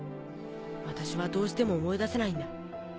私はどうしても思い出せないんだ。